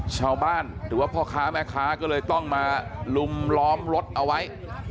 ชาวบ้านหรือว่าพ่อค้าแม่ค้าก็เลยต้องมาลุมล้อมรถเอาไว้